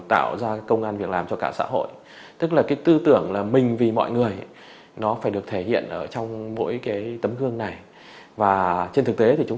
tạo ra nhiều lực lượng để tự duyên để tự dùng cho thực hiện